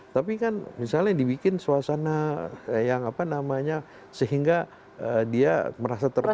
tapi kan misalnya dibikin suasana yang apa namanya sehingga dia merasa ter